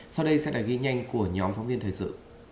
sau đây sẽ là ghi nhanh của nhóm phóng viên thời sự